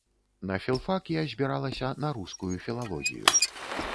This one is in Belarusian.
На філфак я збіралася на рускую філалогію.